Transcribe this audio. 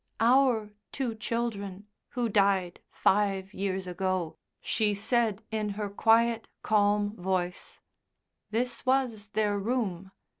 "Our two children, who died five years ago," she said in her quiet, calm voice, "this was their room.